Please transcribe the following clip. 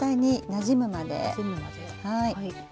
なじむまで。